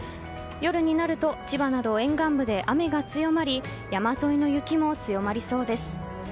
夜になると千葉など沿岸部で雨が強まり山沿いの雪も強まりそうです。